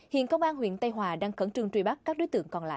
hiện công an huyện tây hòa đang cẩn trương truy bắt các đối tượng còn lại